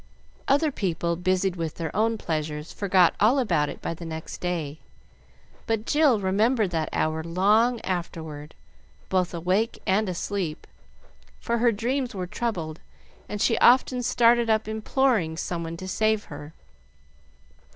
Other people, busied with their own pleasures, forgot all about it by the next day; but Jill remembered that hour long afterward, both awake and asleep, for her dreams were troubled, and she often started up imploring someone to save her.